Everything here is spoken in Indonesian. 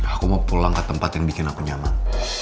aku mau pulang ke tempat yang bikin aku nyaman